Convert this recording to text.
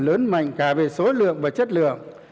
lớn mạnh cả về số lượng và chất lượng